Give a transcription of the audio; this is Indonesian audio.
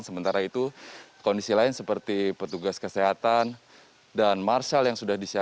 sementara itu kondisi lain seperti petugas kesehatan dan marshal yang sudah disiapkan